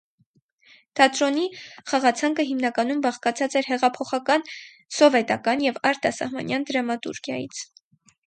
Թատրոնի խաղացանկը հիմնականում բաղկացած էր հեղափոխական սովետական և արտասահմանյան դրամատուրգիայից։